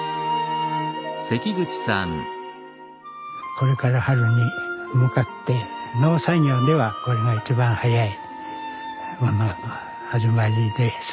これから春に向かって農作業ではこれが一番早い始まりです。